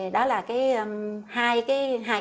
đó là cái